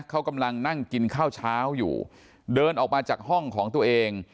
เขากำลังนั่งกินข้าวเช้าอยู่เดินออกมาจากห้องของตัวเอง